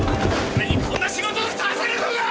俺にこんな仕事をさせるのか！？